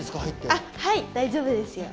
あっはい大丈夫ですよ。